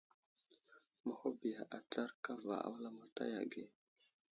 Məhuɓiya atsar kava a wulamataya ge.